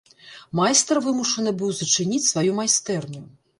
Майстар вымушаны быў зачыніць сваю майстэрню.